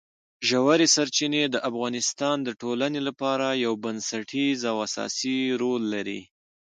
ژورې سرچینې د افغانستان د ټولنې لپاره یو بنسټیز او اساسي رول لري.